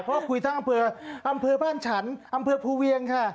เพราะคุยทั้งอำเภออำเภอบ้านฉันอำเภอภูเวียงค่ะ